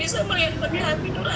bisa melihat bagian hidup anginnya